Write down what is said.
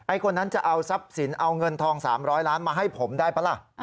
คนนั้นจะเอาทรัพย์สินเอาเงินทอง๓๐๐ล้านมาให้ผมได้ป่ะล่ะ